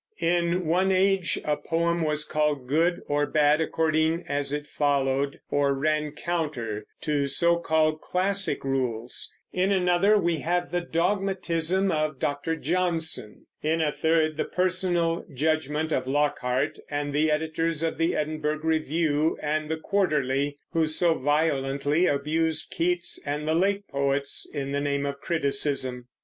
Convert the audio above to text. In one age a poem was called good or bad according as it followed or ran counter to so called classic rules; in another we have the dogmatism of Dr. Johnson; in a third the personal judgment of Lockhart and the editors of the Edinburgh Review and the Quarterly, who so violently abused Keats and the Lake poets in the name of criticism.